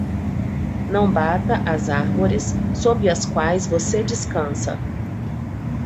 Não bata as árvores sob as quais você descansa.